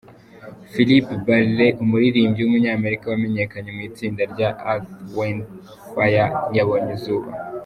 Philip Bailey, umuririmbyi w’umunyamerika wamenyekanye mu itsinda rya Earth, Wind & Fire yabonye izuba.